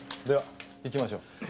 では行きましょう。